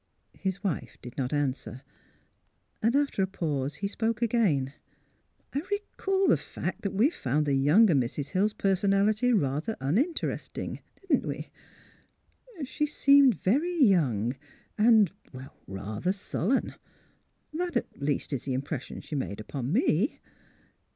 His wife did not answer; and after a pause he spoke again. " I recall the fact that we found the younger Mrs. Hill's personality rather uninteresting; didn't we? She seemed very young, and — er — rather sullen. That, at least, is the impression she made upon me."